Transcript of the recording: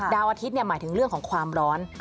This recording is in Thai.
อาทิตย์หมายถึงเรื่องของความร้อน